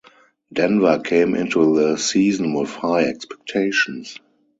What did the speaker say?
Denver came into the season with high expectations.